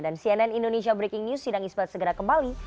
dan cnn indonesia breaking news sidang ismat segera kembali